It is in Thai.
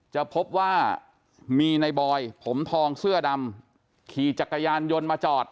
จะพบว่ามีในบอยผมทองเสื้อดำขี่จักรยานยนต์มาจอด